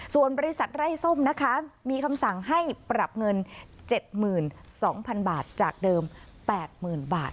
ส่วนบริษัทไร้ส้มนะคะมีคำสั่งให้ปรับเงิน๗๒๐๐๐บาทจากเดิม๘๐๐๐บาท